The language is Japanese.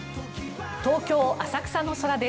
東京・浅草の空です。